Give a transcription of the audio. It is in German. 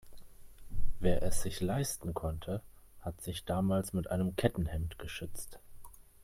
Wer es sich leisten konnte, hat sich damals mit einem Kettenhemd geschützt.